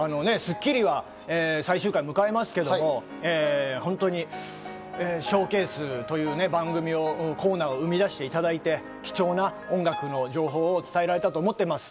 『スッキリ』は最終回を迎えますけど、本当にＳＨＯＷＣＡＳＥというコーナーを生み出していただいて、貴重な音楽の情報を伝えられたと思ってます。